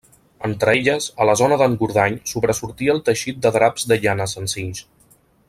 Entre elles, a la zona d'Engordany sobresortí el teixit de draps de llana senzills.